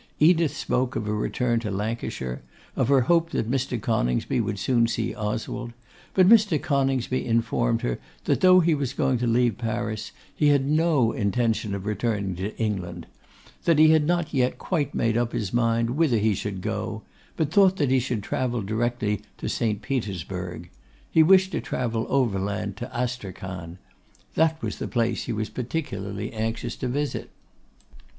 Edith spoke of her return to Lancashire, of her hope that Mr. Coningsby would soon see Oswald; but Mr. Coningsby informed her that though he was going to leave Paris, he had no intention of returning to England; that he had not yet quite made up his mind whither he should go; but thought that he should travel direct to St. Petersburg. He wished to travel overland to Astrachan. That was the place he was particularly anxious to visit.